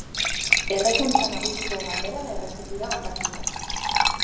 Errekuntza nagusiko ganberan erretzen dira hondakinak.